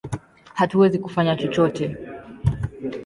Hatuwezi kufanya chochote!